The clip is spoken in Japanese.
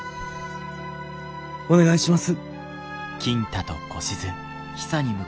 お願いします。